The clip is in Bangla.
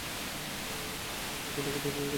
ঢাকায় চলে আসার পর ঢাকা থিয়েটারে কাজ শুরু করেন।